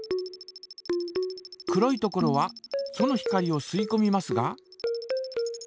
黒いところはその光をすいこみますが。